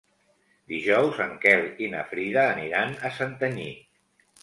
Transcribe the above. Dijous en Quel i na Frida aniran a Santanyí.